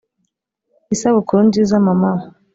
isabukuru nziza mama